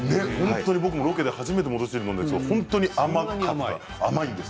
僕もロケで初めて戻し汁を飲んだんですが本当に甘いんです。